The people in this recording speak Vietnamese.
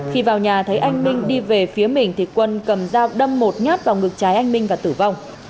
khi vào nhà thấy anh minh đi về phía mình thì quân cầm dao đâm một nhát vào ngực trái anh minh và tử vong